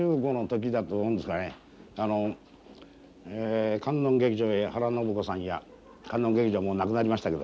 あの観音劇場へ原信子さんや観音劇場もうなくなりましたけどね。